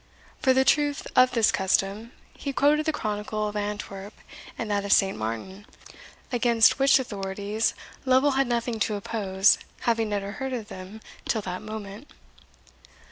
For the truth of this custom, he quoted the chronicle of Antwerp and that of St. Martin; against which authorities Lovel had nothing to oppose, having never heard of them till that moment.